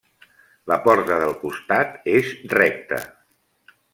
La porta del costat és recta.